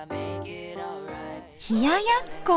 冷ややっこ！